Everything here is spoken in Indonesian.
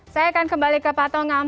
saya akan kembali ke pak tongam